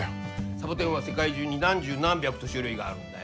サボテンは世界中に何十何百と種類があるんだよ。